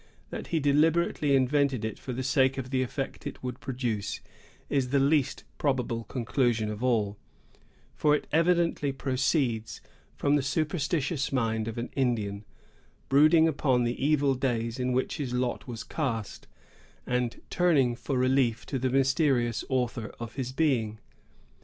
That he deliberately invented it for the sake of the effect it would produce, is the least probable conclusion of all; for it evidently proceeds from the superstitious mind of an Indian, brooding upon the evil days in which his lot was cast, and turning for relief to the mysterious Author of his being.